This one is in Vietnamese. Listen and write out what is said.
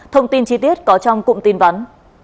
thông tin chi tiết có trong cụm tin vắn